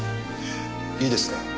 いいですか？